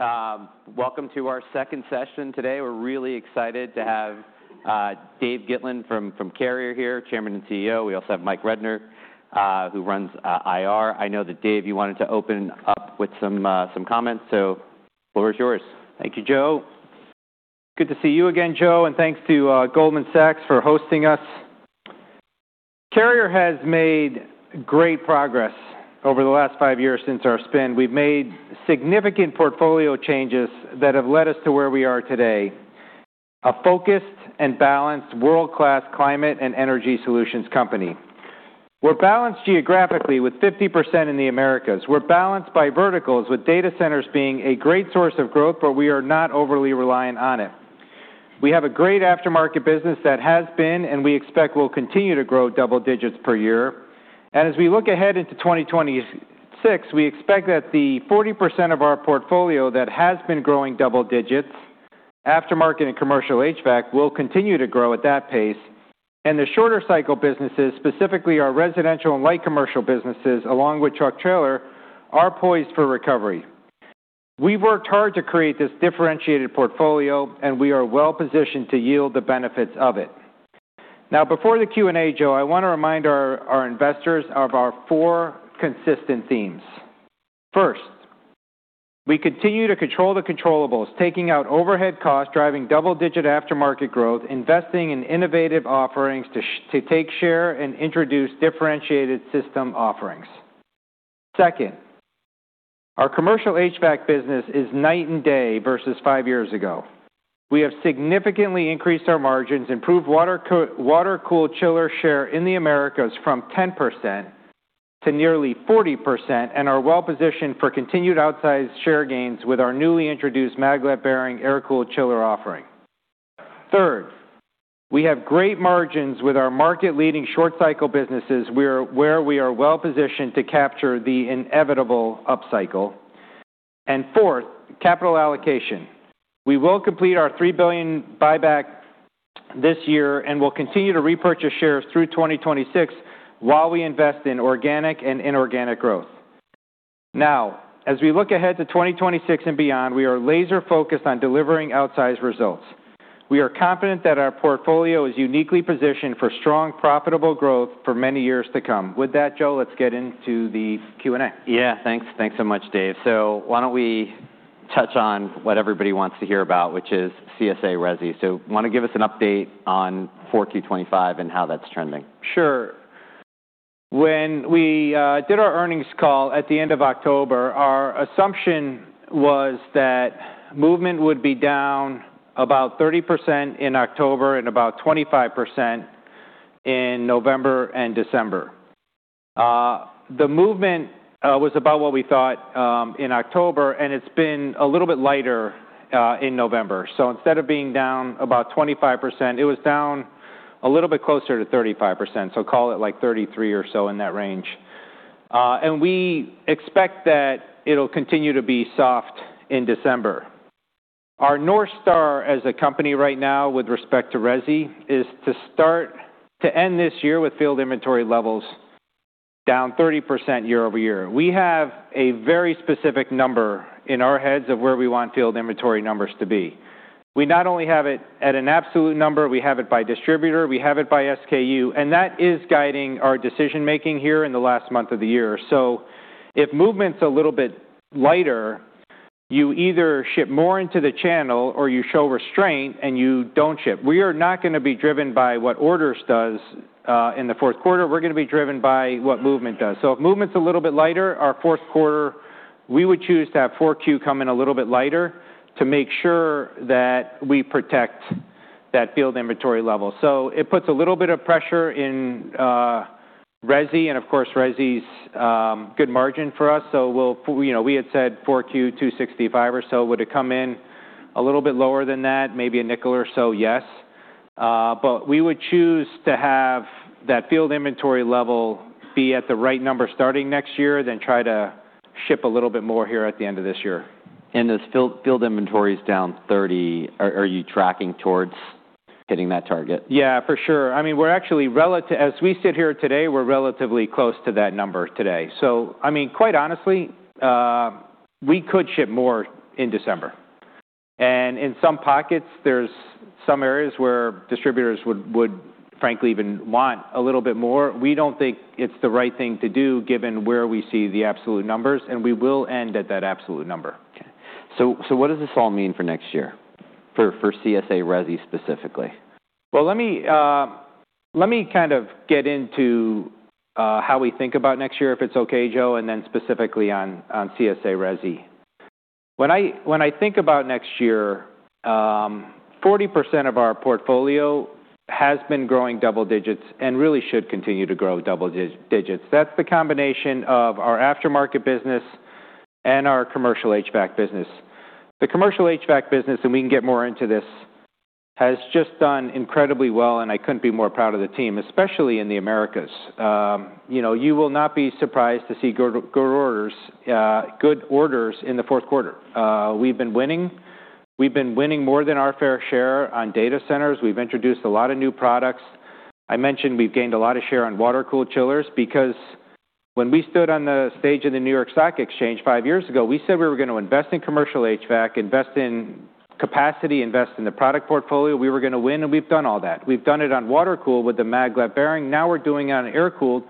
All right. Welcome to our second session today. We're really excited to have Dave Gitlin from Carrier here, Chairman and CEO. We also have Mike Rednor, who runs IR. I know that, Dave, you wanted to open up with some comments. So, floor is yours. Thank you, Joe. Good to see you again, Joe, and thanks to Goldman Sachs for hosting us. Carrier has made great progress over the last five years since our spin. We've made significant portfolio changes that have led us to where we are today: a focused and balanced, world-class climate and energy solutions company. We're balanced geographically with 50% in the Americas. We're balanced by verticals, with data centers being a great source of growth, but we are not overly reliant on it. We have a great aftermarket business that has been, and we expect will continue to grow double digits per year. And as we look ahead into 2026, we expect that the 40% of our portfolio that has been growing double digits, aftermarket and commercial HVAC, will continue to grow at that pace. And the shorter-cycle businesses, specifically our residential and light commercial businesses, along with truck trailer, are poised for recovery. We've worked hard to create this differentiated portfolio, and we are well-positioned to yield the benefits of it. Now, before the Q&A, Joe, I want to remind our investors of our four consistent themes. First, we continue to control the controllables: taking out overhead costs, driving double-digit aftermarket growth, investing in innovative offerings to take share, and introduce differentiated system offerings. Second, our commercial HVAC business is night and day versus five years ago. We have significantly increased our margins, improved water-cooled chiller share in the Americas from 10% to nearly 40%, and are well-positioned for continued outsized share gains with our newly introduced Maglev-bearing air-cooled chiller offering. Third, we have great margins with our market-leading short-cycle businesses, where we are well-positioned to capture the inevitable upcycle. And fourth, capital allocation. We will complete our $3 billion buyback this year and will continue to repurchase shares through 2026 while we invest in organic and inorganic growth. Now, as we look ahead to 2026 and beyond, we are laser-focused on delivering outsized results. We are confident that our portfolio is uniquely positioned for strong, profitable growth for many years to come. With that, Joe, let's get into the Q&A. Yeah, thanks. Thanks so much, Dave. So why don't we touch on what everybody wants to hear about, which is CSA-RESI? So want to give us an update on 4q25 and how that's trending? Sure. When we did our earnings call at the end of October, our assumption was that movement would be down about 30% in October and about 25% in November and December. The movement was about what we thought in October, and it's been a little bit lighter in November. So instead of being down about 25%, it was down a little bit closer to 35%, so call it like 33 or so in that range. And we expect that it'll continue to be soft in December. Our North Star as a company right now with respect to RESI is to start to end this year with field inventory levels down 30% year-over-year. We have a very specific number in our heads of where we want field inventory numbers to be. We not only have it at an absolute number, we have it by distributor, we have it by SKU, and that is guiding our decision-making here in the last month of the year. So if movement's a little bit lighter, you either ship more into the channel or you show restraint and you don't ship. We are not going to be driven by what orders does in the fourth quarter. We're going to be driven by what movement does. So if movement's a little bit lighter, our fourth quarter, we would choose to have 4Q come in a little bit lighter to make sure that we protect that field inventory level. So it puts a little bit of pressure in RESI and, of course, RESI's good margin for us. So we had said 4Q, 265 or so. Would it come in a little bit lower than that, maybe $0.05 or so? Yes. But we would choose to have that field inventory level be at the right number starting next year, then try to ship a little bit more here at the end of this year. Those field inventories down 30, are you tracking towards hitting that target? Yeah, for sure. I mean, we're actually relatively, as we sit here today, we're relatively close to that number today. So, I mean, quite honestly, we could ship more in December, and in some pockets, there's some areas where distributors would, frankly, even want a little bit more. We don't think it's the right thing to do given where we see the absolute numbers, and we will end at that absolute number. Okay, so what does this all mean for next year for CSA-RESI specifically? Let me kind of get into how we think about next year, if it's okay, Joe, and then specifically on CSA-RESI. When I think about next year, 40% of our portfolio has been growing double digits and really should continue to grow double digits. That's the combination of our aftermarket business and our commercial HVAC business. The commercial HVAC business, and we can get more into this, has just done incredibly well, and I couldn't be more proud of the team, especially in the Americas. You will not be surprised to see good orders in the fourth quarter. We've been winning. We've been winning more than our fair share on data centers. We've introduced a lot of new products. I mentioned we've gained a lot of share on water-cooled chillers because when we stood on the stage of the New York Stock Exchange five years ago, we said we were going to invest in commercial HVAC, invest in capacity, invest in the product portfolio. We were going to win, and we've done all that. We've done it on water-cooled with the Maglev bearing. Now we're doing it on air-cooled.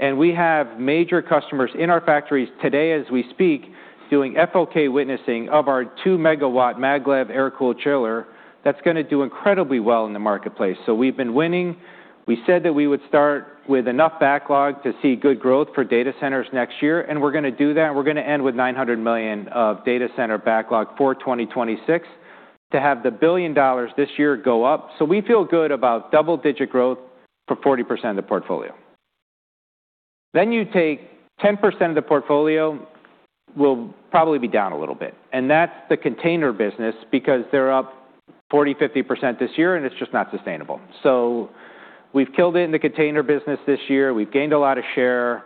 And we have major customers in our factories today, as we speak, doing FOK witnessing of our two-megawatt Maglev air-cooled chiller that's going to do incredibly well in the marketplace. So we've been winning. We said that we would start with enough backlog to see good growth for data centers next year, and we're going to do that. We're going to end with $900 million of data center backlog for 2026 to have the $1 billion this year go up. We feel good about double-digit growth for 40% of the portfolio. Then you take 10% of the portfolio. We'll probably be down a little bit. That's the container business because they're up 40%-50% this year, and it's just not sustainable. We've killed it in the container business this year. We've gained a lot of share.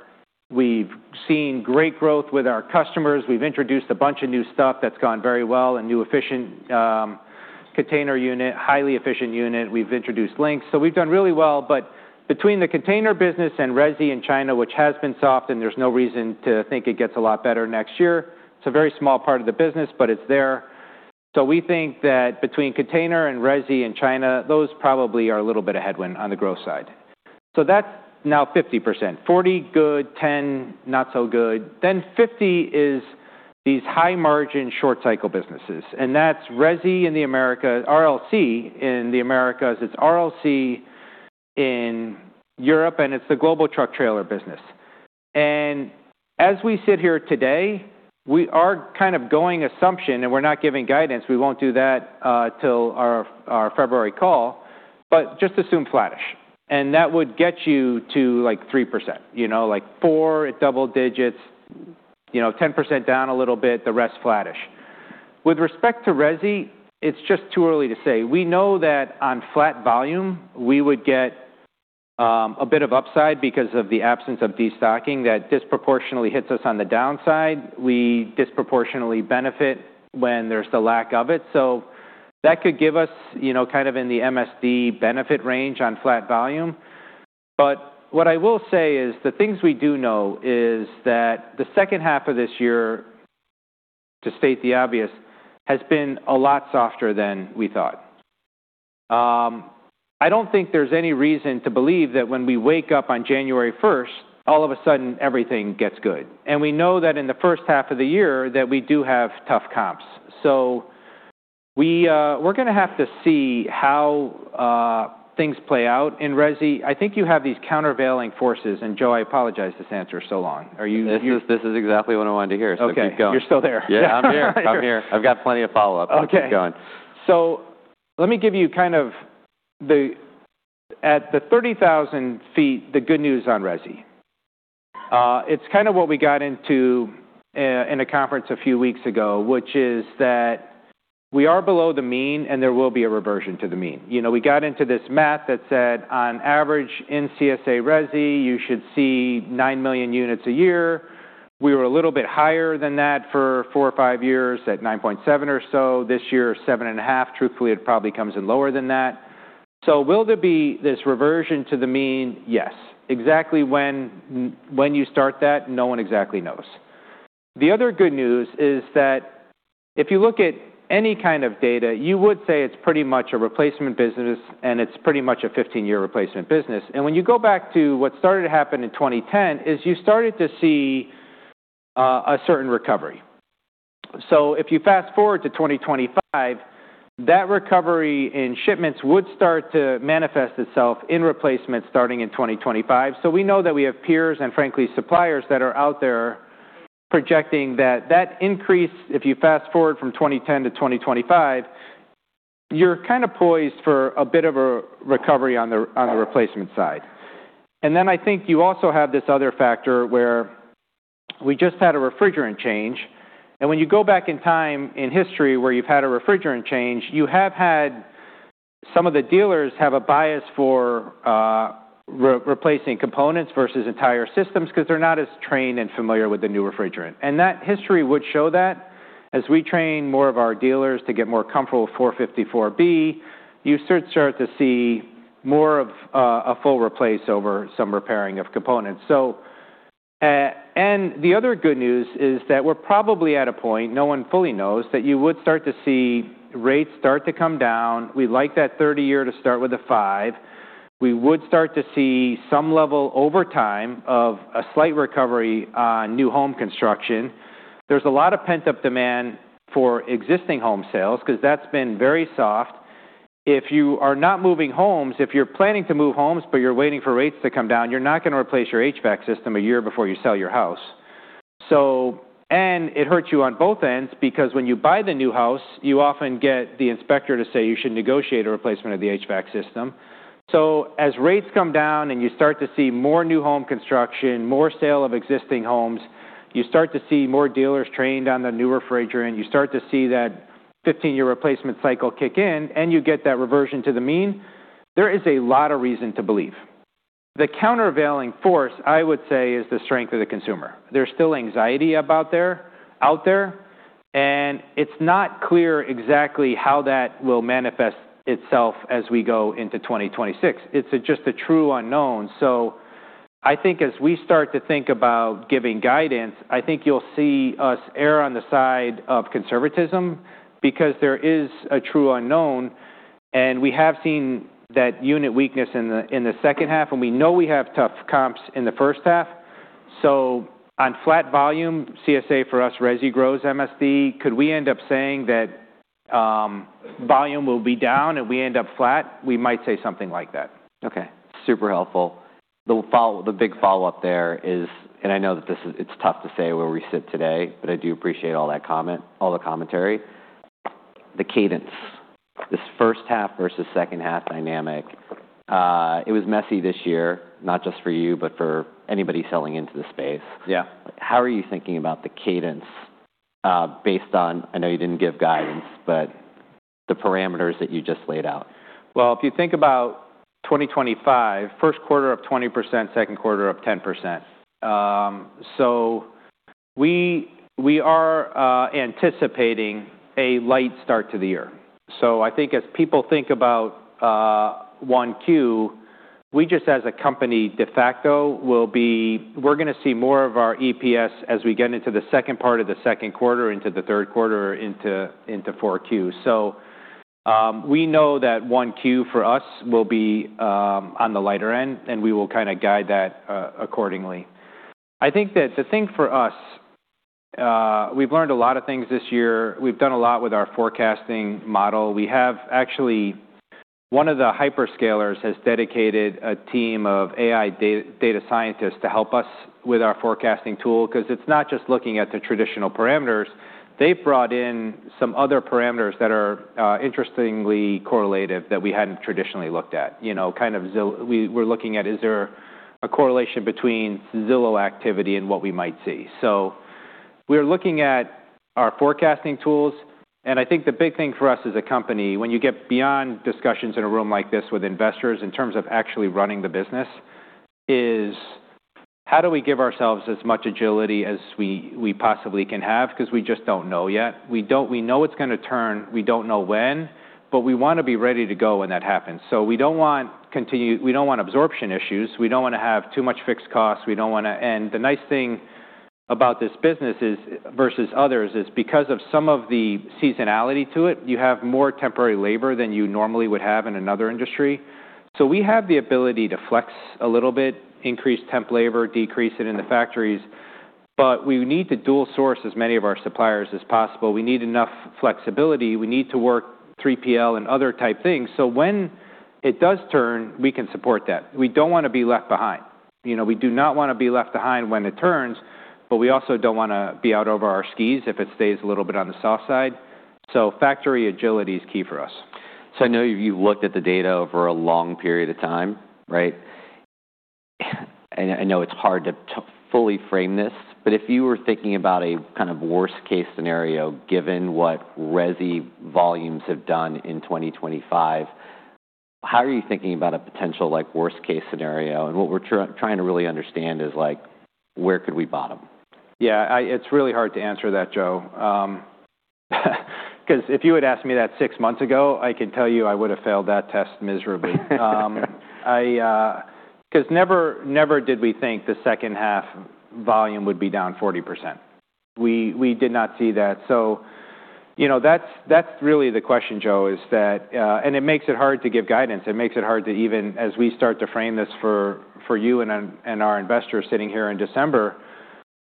We've seen great growth with our customers. We've introduced a bunch of new stuff that's gone very well: a new efficient container unit, highly efficient unit. We've introduced Lynx. We've done really well. Between the container business and RESI in China, which has been soft, and there's no reason to think it gets a lot better next year. It's a very small part of the business, but it's there. We think that between container and RESI in China, those probably are a little bit a headwind on the growth side. That's now 50%. 40% good, 10% not so good. Then 50% is these high-margin short-cycle businesses. That's RESI in the Americas, RLC in the Americas. It's RLC in Europe, and it's the global truck trailer business. As we sit here today, we are kind of going assumption, and we're not giving guidance. We won't do that till our February call, but just assume flattish. That would get you to like 3%, like 4%, double digits, 10% down a little bit, the rest flattish. With respect to RESI, it's just too early to say. We know that on flat volume, we would get a bit of upside because of the absence of destocking that disproportionately hits us on the downside. We disproportionately benefit when there's the lack of it. So that could give us kind of in the MSD benefit range on flat volume. But what I will say is the things we do know is that the second half of this year, to state the obvious, has been a lot softer than we thought. I don't think there's any reason to believe that when we wake up on January 1st, all of a sudden, everything gets good. And we know that in the first half of the year that we do have tough comps. So we're going to have to see how things play out in RESI. I think you have these countervailing forces. And Joe, I apologize to stand for so long. Are you? This is exactly what I wanted to hear. So keep going. Okay. You're still there? Yeah, I'm here. I'm here. I've got plenty of follow-up. Okay. Keep going. So let me give you kind of at the 30,000 feet, the good news on RESI. It's kind of what we got into in a conference a few weeks ago, which is that we are below the mean, and there will be a reversion to the mean. We got into this math that said, on average, in CSA-RESI, you should see nine million units a year. We were a little bit higher than that for four or five years at 9.7 or so. This year, 7.5. Truthfully, it probably comes in lower than that. So will there be this reversion to the mean? Yes. Exactly when you start that, no one exactly knows. The other good news is that if you look at any kind of data, you would say it's pretty much a replacement business, and it's pretty much a 15-year replacement business. And when you go back to what started to happen in 2010, you started to see a certain recovery. So if you fast forward to 2025, that recovery in shipments would start to manifest itself in replacements starting in 2025. So we know that we have peers and, frankly, suppliers that are out there projecting that increase, if you fast forward from 2010-2025, you're kind of poised for a bit of a recovery on the replacement side. And then I think you also have this other factor where we just had a refrigerant change. And when you go back in time in history where you've had a refrigerant change, you have had some of the dealers have a bias for replacing components versus entire systems because they're not as trained and familiar with the new refrigerant. That history would show that as we train more of our dealers to get more comfortable with 454B, you should start to see more of a full replace over some repairing of components. The other good news is that we're probably at a point, no one fully knows, that you would start to see rates start to come down. We'd like that 30-year to start with a five. We would start to see some level over time of a slight recovery on new home construction. There's a lot of pent-up demand for existing home sales because that's been very soft. If you are not moving homes, if you're planning to move homes, but you're waiting for rates to come down, you're not going to replace your HVAC system a year before you sell your house. It hurts you on both ends because when you buy the new house, you often get the inspector to say you should negotiate a replacement of the HVAC system, so as rates come down and you start to see more new home construction, more sales of existing homes, you start to see more dealers trained on the new refrigerant, you start to see that 15-year replacement cycle kick in, and you get that reversion to the mean. There is a lot of reason to believe. The countervailing force, I would say, is the strength of the consumer. There's still anxiety out there, and it's not clear exactly how that will manifest itself as we go into 2026. It's just a true unknown. So I think as we start to think about giving guidance, I think you'll see us err on the side of conservatism because there is a true unknown. And we have seen that unit weakness in the second half, and we know we have tough comps in the first half. So on flat volume, CSA for us, RESI grows, MSD, could we end up saying that volume will be down and we end up flat? We might say something like that. Okay. Super helpful. The big follow-up there is, and I know that it's tough to say where we sit today, but I do appreciate all the commentary. The cadence, this first half versus second half dynamic, it was messy this year, not just for you, but for anybody selling into the space. How are you thinking about the cadence based on, I know you didn't give guidance, but the parameters that you just laid out? Well, if you think about 2025, first quarter up 20%, second quarter up 10%. So we are anticipating a light start to the year. So I think as people think about 1Q, we just, as a company, de facto, will be, we're going to see more of our EPS as we get into the second part of the second quarter, into the third quarter, into 4Q. So we know that 1Q for us will be on the lighter end, and we will kind of guide that accordingly. I think that the thing for us, we've learned a lot of things this year. We've done a lot with our forecasting model. We have actually, one of the hyperscalers has dedicated a team of AI data scientists to help us with our forecasting tool because it's not just looking at the traditional parameters. They've brought in some other parameters that are interestingly correlative that we hadn't traditionally looked at. Kind of, we're looking at, is there a correlation between Zillow activity and what we might see? So we're looking at our forecasting tools. And I think the big thing for us as a company, when you get beyond discussions in a room like this with investors in terms of actually running the business, is how do we give ourselves as much agility as we possibly can have because we just don't know yet. We know it's going to turn. We don't know when, but we want to be ready to go when that happens. So we don't want, we don't want absorption issues. We don't want to have too much fixed costs. We don't want to, and the nice thing about this business versus others is because of some of the seasonality to it, you have more temporary labor than you normally would have in another industry. So we have the ability to flex a little bit, increase temp labor, decrease it in the factories, but we need to dual-source as many of our suppliers as possible. We need enough flexibility. We need to work 3PL and other type things. So when it does turn, we can support that. We don't want to be left behind. We do not want to be left behind when it turns, but we also don't want to be out over our skis if it stays a little bit on the soft side. So factory agility is key for us. So I know you've looked at the data over a long period of time, right? And I know it's hard to fully frame this, but if you were thinking about a kind of worst-case scenario, given what RESI volumes have done in 2025, how are you thinking about a potential worst-case scenario? And what we're trying to really understand is where could we bottom? Yeah. It's really hard to answer that, Joe, because if you had asked me that six months ago, I can tell you I would have failed that test miserably. Because never did we think the second half volume would be down 40%. We did not see that. So that's really the question, Joe, is that and it makes it hard to give guidance. It makes it hard to even, as we start to frame this for you and our investors sitting here in December,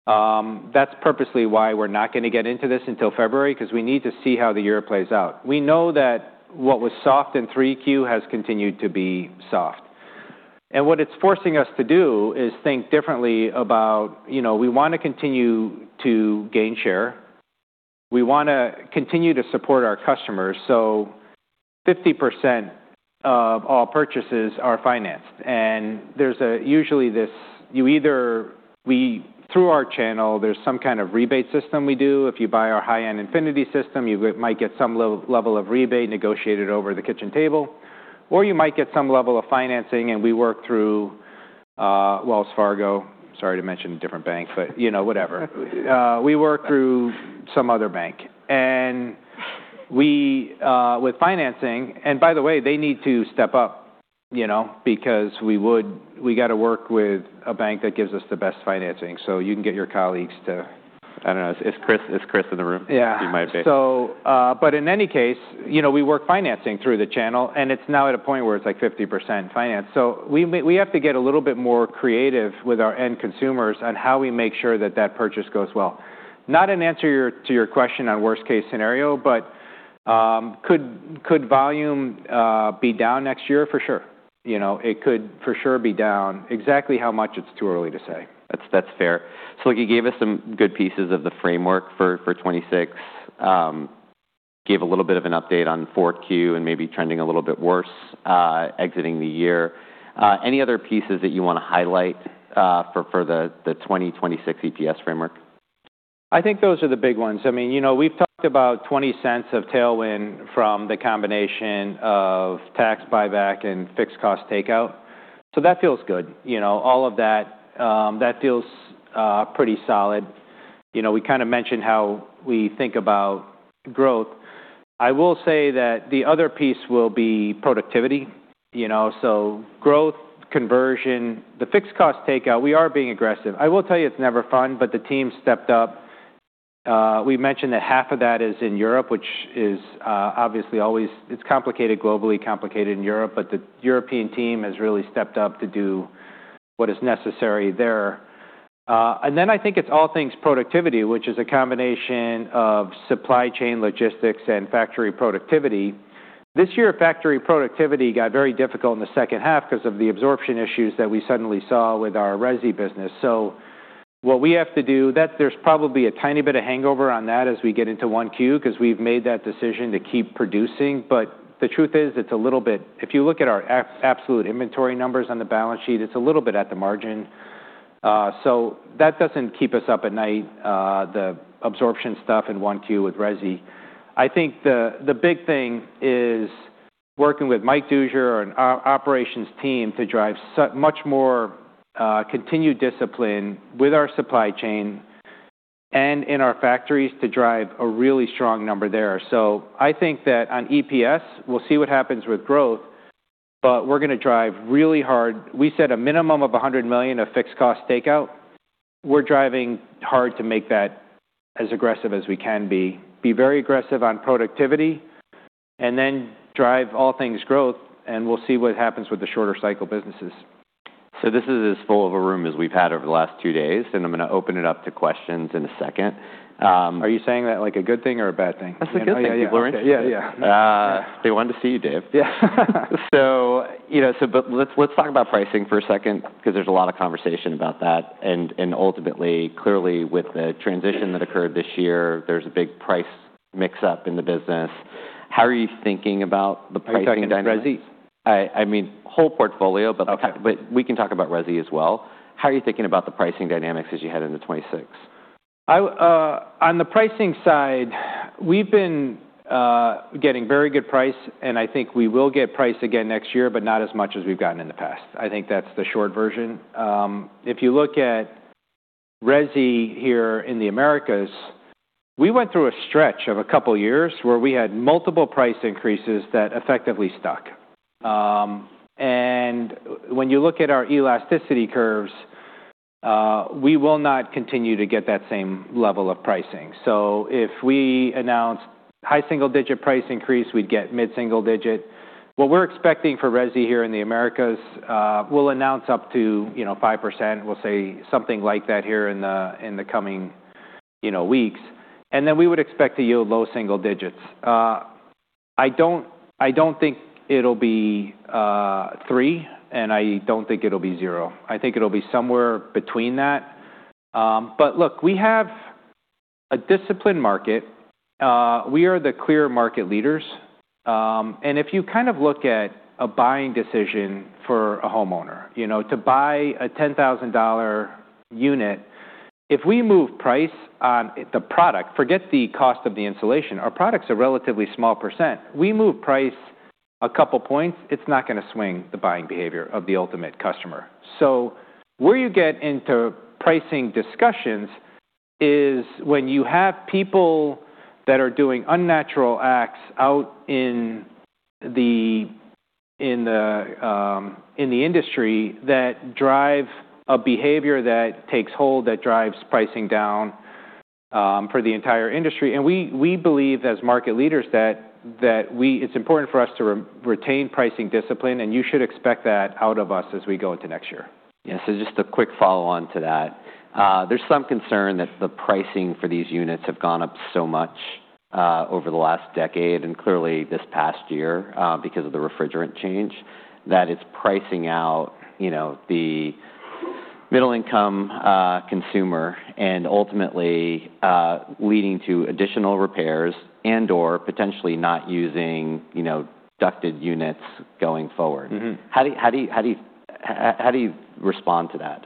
that's purposely why we're not going to get into this until February because we need to see how the year plays out. We know that what was soft in 3Q has continued to be soft. And what it's forcing us to do is think differently about, we want to continue to gain share. We want to continue to support our customers. So 50% of all purchases are financed. And there's usually this, through our channel, there's some kind of rebate system we do. If you buy our high-end Infinity system, you might get some level of rebate negotiated over the kitchen table, or you might get some level of financing, and we work through Wells Fargo. Sorry to mention a different bank, but whatever. We work through some other bank. And with financing, and by the way, they need to step up because we got to work with a bank that gives us the best financing. So you can get your colleagues to, I don't know. Is Chris in the room? Yeah. He might be. But in any case, we work financing through the channel, and it's now at a point where it's like 50% financed. So we have to get a little bit more creative with our end consumers on how we make sure that that purchase goes well. Not an answer to your question on worst-case scenario, but could volume be down next year? For sure. It could for sure be down. Exactly how much, it's too early to say. That's fair. So you gave us some good pieces of the framework for 2026, gave a little bit of an update on 4Q and maybe trending a little bit worse exiting the year. Any other pieces that you want to highlight for the 2026 EPS framework? I think those are the big ones. I mean, we've talked about $0.20 of tailwind from the combination of tax buyback and fixed cost takeout. So that feels good. All of that, that feels pretty solid. We kind of mentioned how we think about growth. I will say that the other piece will be productivity. So growth, conversion, the fixed cost takeout, we are being aggressive. I will tell you it's never fun, but the team stepped up. We mentioned that half of that is in Europe, which is obviously always, it's complicated globally, complicated in Europe, but the European team has really stepped up to do what is necessary there, and then I think it's all things productivity, which is a combination of supply chain logistics and factory productivity. This year, factory productivity got very difficult in the second half because of the absorption issues that we suddenly saw with our RESI business. So what we have to do, there's probably a tiny bit of hangover on that as we get into 1Q because we've made that decision to keep producing. But the truth is, it's a little bit, if you look at our absolute inventory numbers on the balance sheet, it's a little bit at the margin. So that doesn't keep us up at night, the absorption stuff in 1Q with RESI. I think the big thing is working with Mike Rednor and our operations team to drive much more continued discipline with our supply chain and in our factories to drive a really strong number there. So I think that on EPS, we'll see what happens with growth, but we're going to drive really hard. We set a minimum of $100 million of fixed cost takeout. We're driving hard to make that as aggressive as we can be, be very aggressive on productivity, and then drive all things growth, and we'll see what happens with the shorter cycle businesses. So this is as full of a room as we've had over the last two days, and I'm going to open it up to questions in a second. Are you saying that like a good thing or a bad thing? That's a good thing, Dave Gitlin. Yeah, yeah. They wanted to see you, Dave. Yeah. So let's talk about pricing for a second because there's a lot of conversation about that. And ultimately, clearly, with the transition that occurred this year, there's a big price mix-up in the business. How are you thinking about the pricing dynamics? Are you talking about RESI? I mean, whole portfolio, but we can talk about RESI as well. How are you thinking about the pricing dynamics as you head into 2026? On the pricing side, we've been getting very good price, and I think we will get price again next year, but not as much as we've gotten in the past. I think that's the short version. If you look at RESI here in the Americas, we went through a stretch of a couple of years where we had multiple price increases that effectively stuck, and when you look at our elasticity curves, we will not continue to get that same level of pricing. So if we announced high single-digit price increase, we'd get mid-single digit. What we're expecting for RESI here in the Americas, we'll announce up to 5%. We'll say something like that here in the coming weeks, and then we would expect to yield low single digits. I don't think it'll be three, and I don't think it'll be zero. I think it'll be somewhere between that. But look, we have a disciplined market. We are the clear market leaders. And if you kind of look at a buying decision for a homeowner, to buy a $10,000 unit, if we move price on the product, forget the cost of the insulation. Our products are relatively small %. We move price a couple of points, it's not going to swing the buying behavior of the ultimate customer. So where you get into pricing discussions is when you have people that are doing unnatural acts out in the industry that drive a behavior that takes hold, that drives pricing down for the entire industry. And we believe as market leaders that it's important for us to retain pricing discipline, and you should expect that out of us as we go into next year. Yeah. So just a quick follow-on to that. There's some concern that the pricing for these units have gone up so much over the last decade and clearly this past year because of the refrigerant change that it's pricing out the middle-income consumer and ultimately leading to additional repairs and/or potentially not using ducted units going forward. How do you respond to that?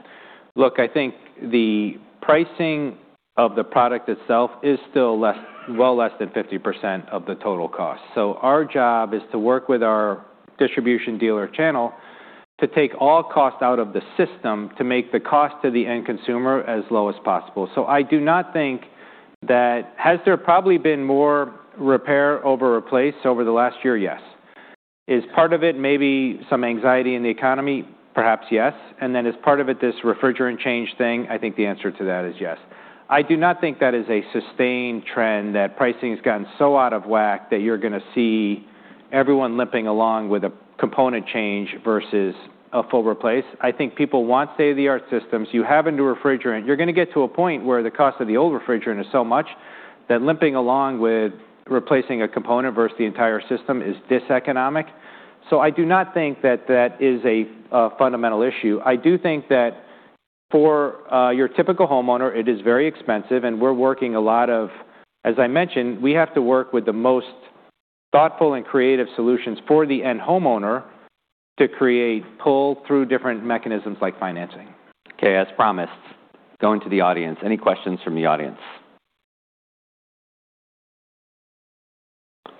Look, I think the pricing of the product itself is still well less than 50% of the total cost. So our job is to work with our distribution dealer channel to take all cost out of the system to make the cost to the end consumer as low as possible. So I do not think that. Has there probably been more repair over replace over the last year? Yes. Is part of it maybe some anxiety in the economy? Perhaps yes. And then is part of it this refrigerant change thing? I think the answer to that is yes. I do not think that is a sustained trend that pricing has gotten so out of whack that you're going to see everyone limping along with a component change versus a full replace. I think people want state-of-the-art systems. You happen to refrigerant. You're going to get to a point where the cost of the old refrigerant is so much that limping along with replacing a component versus the entire system is Diseconomic. So I do not think that that is a fundamental issue. I do think that for your typical homeowner, it is very expensive, and we're working a lot of, as I mentioned, we have to work with the most thoughtful and creative solutions for the end homeowner to create pull through different mechanisms like financing. Okay. As promised, going to the audience. Any questions from the audience?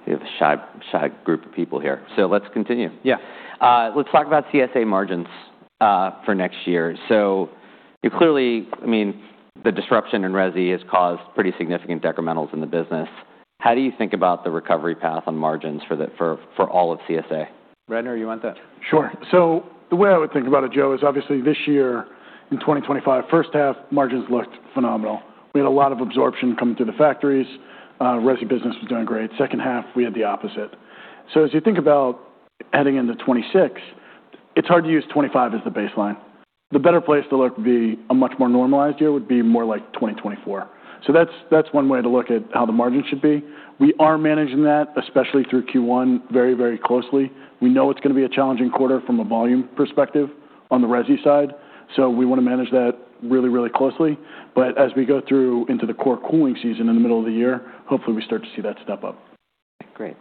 We have a shy group of people here. So let's continue. Yeah. Let's talk about CSA margins for next year. So clearly, I mean, the disruption in RESI has caused pretty significant decrements in the business. How do you think about the recovery path on margins for all of CSA? Rednor, you want that? Sure. So the way I would think about it, Joe, is obviously this year in 2025, first half, margins looked phenomenal. We had a lot of absorption coming through the factories. RESI business was doing great. Second half, we had the opposite. So as you think about heading into 2026, it's hard to use 2025 as the baseline. The better place to look would be a much more normalized year would be more like 2024. So that's one way to look at how the margin should be. We are managing that, especially through Q1, very, very closely. We know it's going to be a challenging quarter from a volume perspective on the RESI side. So we want to manage that really, really closely. But as we go through into the core cooling season in the middle of the year, hopefully, we start to see that step up. Great.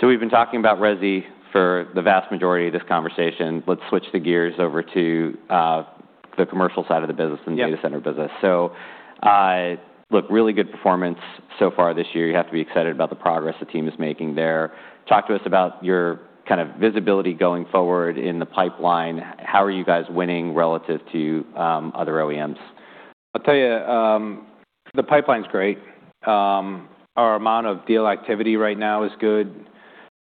So we've been talking about RESI for the vast majority of this conversation. Let's switch the gears over to the commercial side of the business and data center business. So look, really good performance so far this year. You have to be excited about the progress the team is making there. Talk to us about your kind of visibility going forward in the pipeline. How are you guys winning relative to other OEMs? I'll tell you, the pipeline's great. Our amount of deal activity right now is good.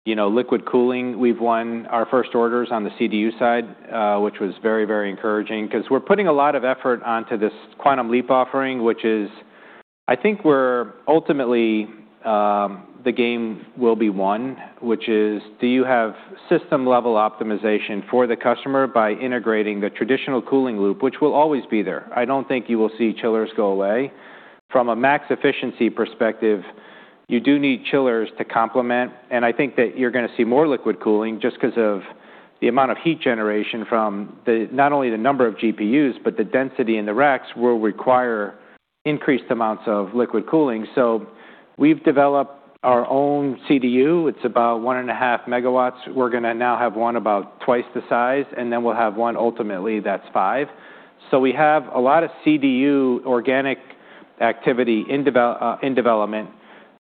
Liquid cooling, we've won our first orders on the CDU side, which was very, very encouraging because we're putting a lot of effort onto this QuantumLeap offering, which is I think we're ultimately the game will be won, which is do you have system-level optimization for the customer by integrating the traditional cooling loop, which will always be there. I don't think you will see chillers go away. From a max efficiency perspective, you do need chillers to complement, and I think that you're going to see more liquid cooling just because of the amount of heat generation from not only the number of GPUs, but the density in the racks will require increased amounts of liquid cooling, so we've developed our own CDU. It's about 1.5 megawatts. We're going to now have one about twice the size, and then we'll have one ultimately that's five, so we have a lot of CDU organic activity in development.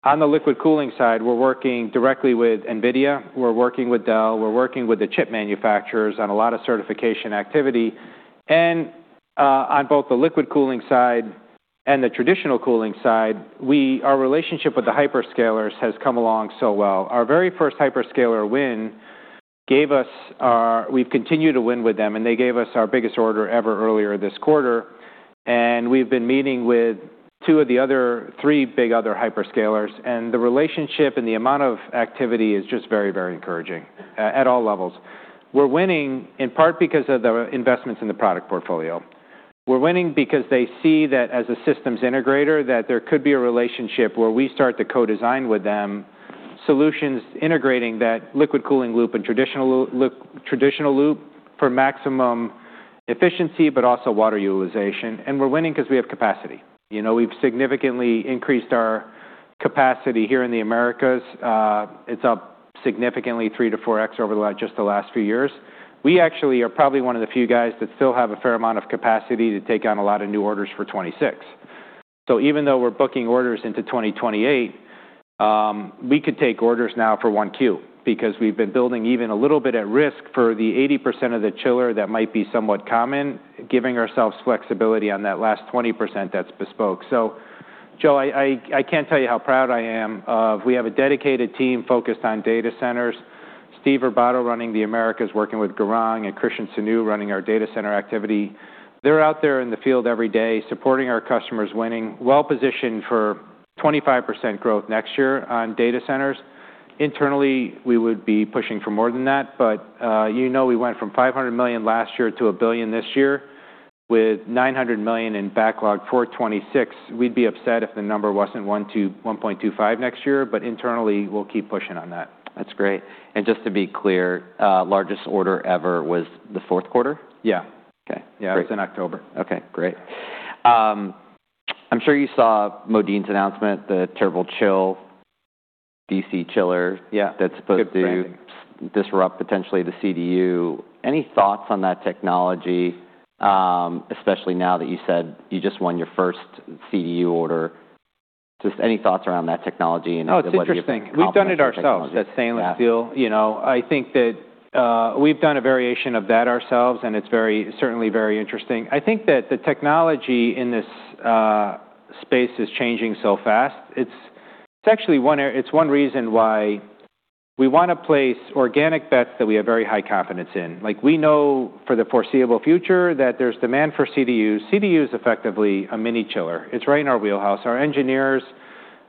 On the liquid cooling side, we're working directly with NVIDIA. We're working with Dell. We're working with the chip manufacturers on a lot of certification activity, and on both the liquid cooling side and the traditional cooling side, our relationship with the hyperscalers has come along so well. Our very first hyperscaler win gave us a win. We've continued to win with them, and they gave us our biggest order ever earlier this quarter, and we've been meeting with two of the other three big hyperscalers. The relationship and the amount of activity is just very, very encouraging at all levels. We're winning in part because of the investments in the product portfolio. We're winning because they see that as a systems integrator, that there could be a relationship where we start to co-design with them solutions integrating that liquid cooling loop and traditional loop for maximum efficiency, but also water utilization, and we're winning because we have capacity. We've significantly increased our capacity here in the Americas. It's up significantly, three- to four-X over the last few years. We actually are probably one of the few guys that still have a fair amount of capacity to take on a lot of new orders for 2026. So even though we're booking orders into 2028, we could take orders now for 1Q because we've been building even a little bit at risk for the 80% of the chiller that might be somewhat common, giving ourselves flexibility on that last 20% that's bespoke. So, Joe, I can't tell you how proud I am. We have a dedicated team focused on data centers. Steve Ribaudo running the Americas, working with Gaurang and Christian Sinue running our data center activity. They're out there in the field every day supporting our customers, winning, well-positioned for 25% growth next year on data centers. Internally, we would be pushing for more than that. But you know we went from $500 million last year to $1 billion this year with $900 million in backlog for 2026. We'd be upset if the number wasn't $1.25 billion next year, but internally, we'll keep pushing on that. That's great. And just to be clear, largest order ever was the fourth quarter? Yeah. Okay. Yeah. It was in October. Okay. Great. I'm sure you saw Modine's announcement, the TurboChill DC chiller that's supposed to disrupt potentially the CDU. Any thoughts on that technology, especially now that you said you just won your first CDU order? Just any thoughts around that technology and its evolution? Oh, it's interesting. We've done it ourselves. That stainless steel. I think that we've done a variation of that ourselves, and it's certainly very interesting. I think that the technology in this space is changing so fast. It's actually one reason why we want to place organic bets that we have very high confidence in. We know for the foreseeable future that there's demand for CDUs. CDU is effectively a mini chiller. It's right in our wheelhouse. Our engineers,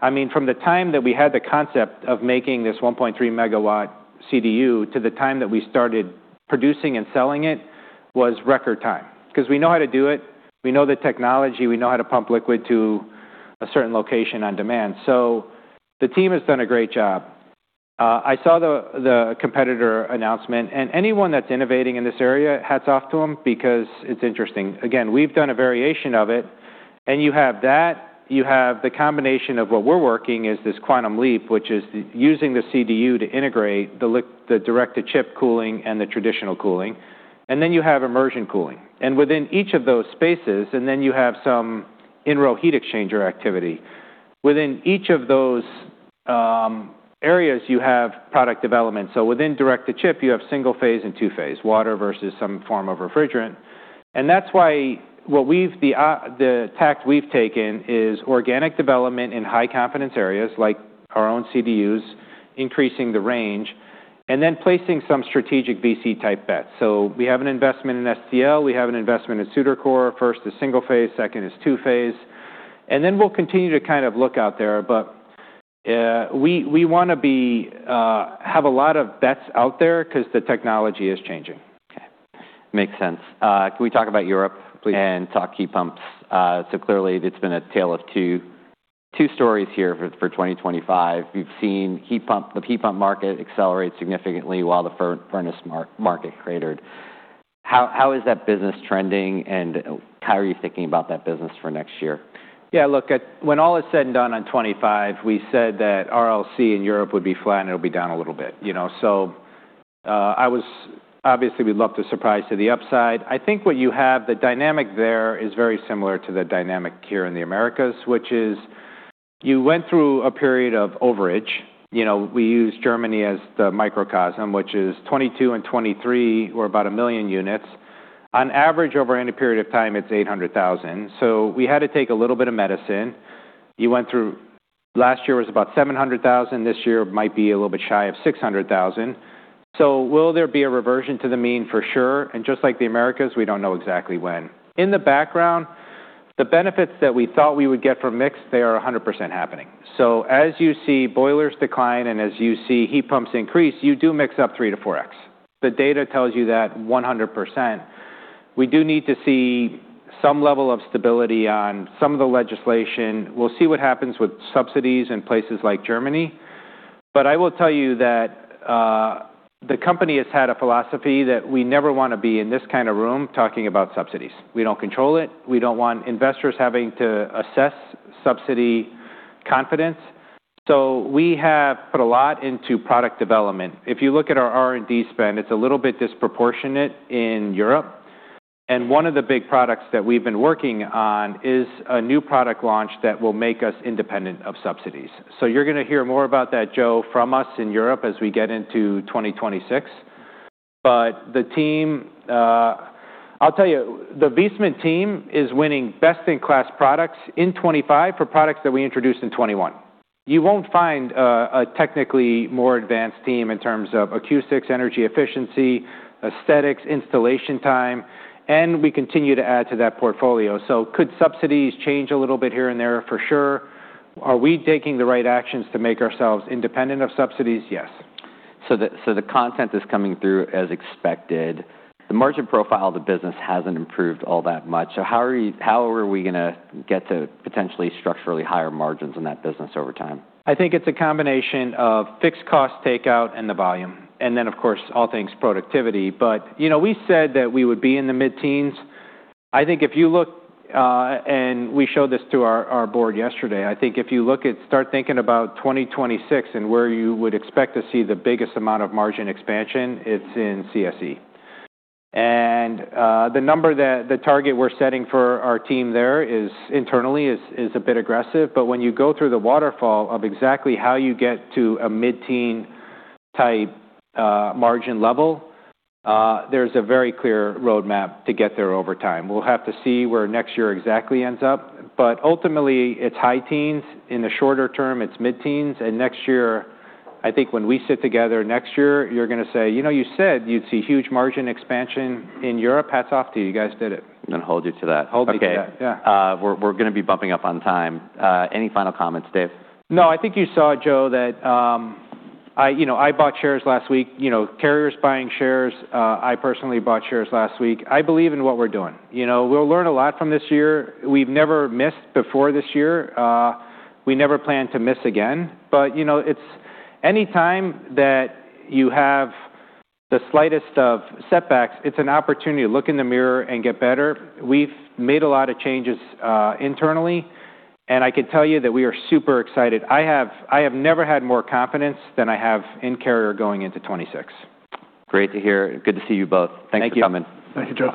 I mean, from the time that we had the concept of making this 1.3 megawatt CDU to the time that we started producing and selling it was record time because we know how to do it. We know the technology. We know how to pump liquid to a certain location on demand. So the team has done a great job. I saw the competitor announcement, and anyone that's innovating in this area, hats off to them because it's interesting. Again, we've done a variation of it and you have that. You have the combination of what we're working is this QuantumLeap, which is using the CDU to integrate the direct-to-chip cooling and the traditional cooling. Then you have immersion cooling. Within each of those spaces, then you have some in-row heat exchanger activity. Within each of those areas, you have product development. So within direct-to-chip, you have single-phase and two-phase, water versus some form of refrigerant. That's why the tack we've taken is organic development in high-confidence areas like our own CDUs, increasing the range, and then placing some strategic VC-type bets. So we have an investment in STL. We have an investment in ZutaCore. First is single-phase. Second is two-phase. And then we'll continue to kind of look out there. But we want to have a lot of bets out there because the technology is changing. Okay. Makes sense. Can we talk about Europe, please, and talk heat pumps? So clearly, it's been a tale of two stories here for 2025. You've seen the heat pump market accelerate significantly while the furnace market cratered. How is that business trending, and how are you thinking about that business for next year? Yeah. Look, when all is said and done on 2025, we said that RLC in Europe would be flat, and it'll be down a little bit, so obviously, we'd love to surprise to the upside. I think what you have, the dynamic there is very similar to the dynamic here in the Americas, which is you went through a period of overage. We use Germany as the microcosm, which is 2022 and 2023 were about a million units. On average, over any period of time, it's 800,000. So we had to take a little bit of medicine. Last year was about 700,000. This year might be a little bit shy of 600,000. So will there be a reversion to the mean for sure, and just like the Americas, we don't know exactly when. In the background, the benefits that we thought we would get from mixed, they are 100% happening. So as you see boilers decline and as you see heat pumps increase, you do mix up three to four X. The data tells you that 100%. We do need to see some level of stability on some of the legislation. We'll see what happens with subsidies in places like Germany. But I will tell you that the company has had a philosophy that we never want to be in this kind of room talking about subsidies. We don't control it. We don't want investors having to assess subsidy confidence. So we have put a lot into product development. If you look at our R&D spend, it's a little bit disproportionate in Europe. And one of the big products that we've been working on is a new product launch that will make us independent of subsidies. So you're going to hear more about that, Joe, from us in Europe as we get into 2026. But the team, I'll tell you, the Viessmann team is winning best-in-class products in 2025 for products that we introduced in 2021. You won't find a technically more advanced team in terms of acoustics, energy efficiency, aesthetics, installation time. And we continue to add to that portfolio. So could subsidies change a little bit here and there? For sure. Are we taking the right actions to make ourselves independent of subsidies? Yes. So the content is coming through as expected. The margin profile of the business hasn't improved all that much. So how are we going to get to potentially structurally higher margins in that business over time? I think it's a combination of fixed cost takeout and the volume, and then, of course, all things productivity, but we said that we would be in the mid-teens. I think if you look, and we showed this to our board yesterday, I think if you look at start thinking about 2026 and where you would expect to see the biggest amount of margin expansion, it's in CSA, and the number that the target we're setting for our team there internally is a bit aggressive, but when you go through the waterfall of exactly how you get to a mid-teen type margin level, there's a very clear roadmap to get there over time. We'll have to see where next year exactly ends up, but ultimately, it's high teens. In the shorter term, it's mid-teens. Next year, I think when we sit together next year, you're going to say, "You know, you said you'd see huge margin expansion in Europe." Hats off to you. You guys did it. I'm going to hold you to that. Hold me to that. Yeah. Okay. We're going to be bumping up on time. Any final comments, Dave? No, I think you saw, Joe, that I bought shares last week. Carrier's buying shares. I personally bought shares last week. I believe in what we're doing. We'll learn a lot from this year. We've never missed before this year. We never plan to miss again, but anytime that you have the slightest of setbacks, it's an opportunity to look in the mirror and get better. We've made a lot of changes internally, and I can tell you that we are super excited. I have never had more confidence than I have in Carrier going into 2026. Great to hear. Good to see you both. Thanks for coming. Thank you.